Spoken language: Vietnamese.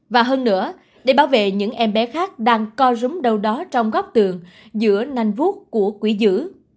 và hơn nữa để bảo vệ những em bé khác đang co rúng đâu đó trong góc tường giữa nanh rút của quỹ giữ